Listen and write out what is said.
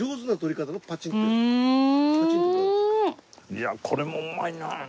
いやあこれもうまいなあ。